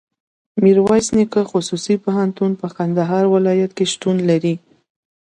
ميرویس نيکه خصوصي پوهنتون په کندهار ولایت کي شتون لري.